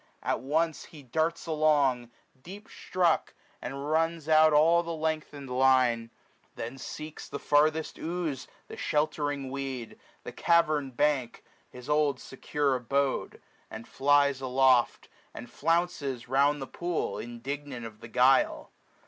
At once he darts along. Deep struck, and runs out all the lengthened line ; Then seeks the farthest ooze, the sheltering weed, 430 The cavem'd bank, his old secure abode j And flies aloft, and flounces round the pool. Indignant of the guile.